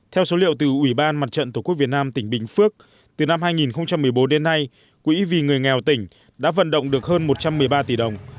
theo số liệu từ ủy ban mặt trận tổ quốc việt nam tỉnh bình phước từ năm hai nghìn một mươi bốn đến nay quỹ vì người nghèo tỉnh đã vận động được hơn một trăm một mươi ba tỷ đồng